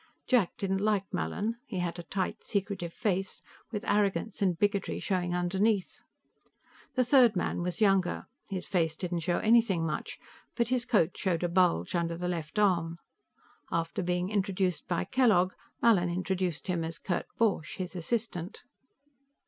Jack didn't like Mallin. He had a tight, secretive face, with arrogance and bigotry showing underneath. The third man was younger. His face didn't show anything much, but his coat showed a bulge under the left arm. After being introduced by Kellogg, Mallin introduced him as Kurt Borch, his assistant.